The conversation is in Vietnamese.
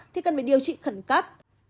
thì cần phải điều trị khẩn cấp